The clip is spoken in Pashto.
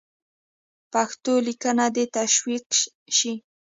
پښتو لیکنه دې تشویق سي.